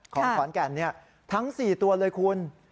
ของขอนแก่นทั้ง๔ตัวเลยคุณ